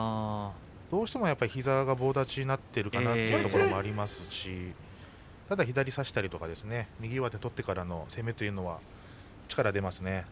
どうしても膝が棒立ちになっているかなというところもありますしただ左を差したり右上手を取ってからの攻めというのは力、出ますね。